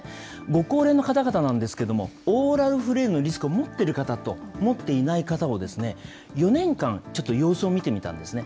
ご高齢の方々なんですけれども、オーラルフレイルのリスクを持ってる方と、持っていない方を４年間、ちょっと様子を見てみたんですね。